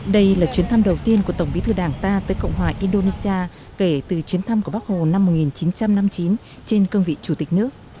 đây là chuyến thăm đầu tiên của tổng bí thư đảng ta tới cộng hòa indonesia kể từ chuyến thăm của bác hồ năm một nghìn chín trăm năm mươi chín trên cương vị chủ tịch nước